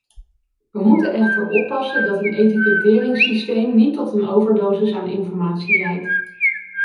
We moeten echter oppassen dat een etiketteringssysteem niet tot een overdosis aan informatie leidt.